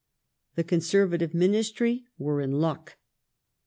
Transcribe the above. The Conservative Ministry were in luck.